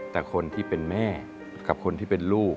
แต่คนที่เป็นแม่กับคนที่เป็นลูก